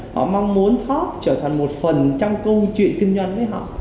họ mong muốn top trở thành một phần trong câu chuyện kinh doanh với họ